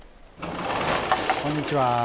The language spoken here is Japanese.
こんにちは。